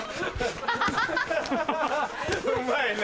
うまいな。